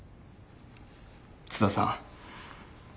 津田さん